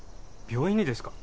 病院にですか？